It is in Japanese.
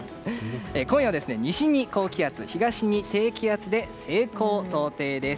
今夜は西に高気圧、東に低気圧で西高東低です。